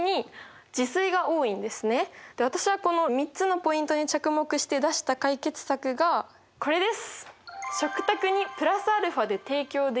私はこの３つのポイントに着目して出した解決策がこれです！